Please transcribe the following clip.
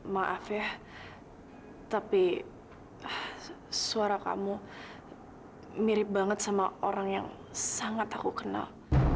maaf ya tapi suara kamu mirip banget sama orang yang sangat aku kenal